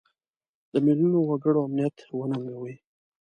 د میلیونونو وګړو امنیت وننګوي.